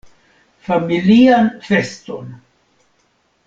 Familian feston!